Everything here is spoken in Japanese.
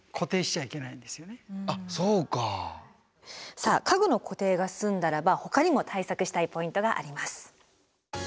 さあ家具の固定が済んだらばほかにも対策したいポイントがあります。